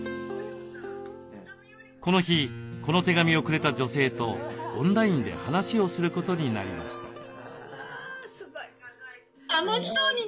この日この手紙をくれた女性とオンラインで話をすることになりました。